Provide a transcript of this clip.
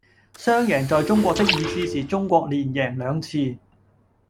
雙贏在中國的意思是中國連贏兩次